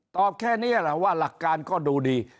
แค่นี้แหละว่าหลักการก็ดูดี